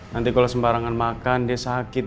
nanti kalau sembarangan makan dia sakit